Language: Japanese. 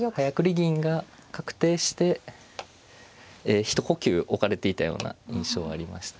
銀が確定して一呼吸置かれていたような印象がありました。